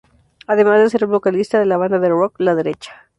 Además de ser el vocalista de la banda de Rock, La Derecha.